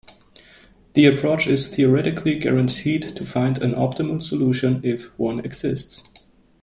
The approach is theoretically guaranteed to find an optimal solution if one exists.